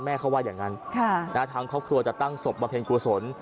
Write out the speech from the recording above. แม่เขาว่าอย่างงั้นค่ะนะทางครอบครัวจะตั้งศพมาเพียงกลัวสน